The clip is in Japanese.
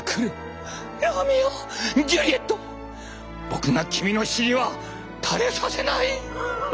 僕が君の尻はたれさせない！